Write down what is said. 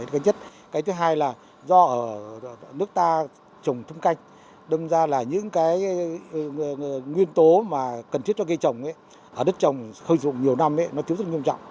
cái thứ hai là do nước ta trồng thung canh đồng ra là những nguyên tố cần thiết cho cây trồng ở đất trồng hơi dụng nhiều năm nó thiếu rất nhiều trọng